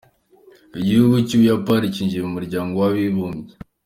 Igihugu cy’ubuyapani cyinjiye mu muryango w’abibumbye.